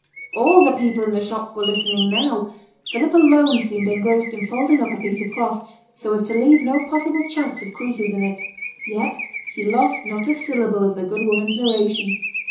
All the people in the shop were listening now; Philip alone seemed engrossed in folding up a piece of cloth, so as to leave no possible chance of creases in it; yet he lost not a syllable of the good woman's narration.